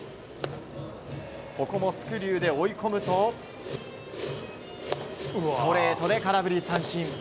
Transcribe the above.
ここもスクリューで追い込むとストレートで空振り三振。